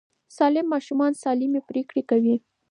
سالم ماشومان سالمې پرېکړې کوي.